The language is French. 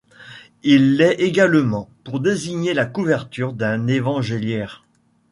Il l'est également pour désigner la couverture d'un évangéliaire.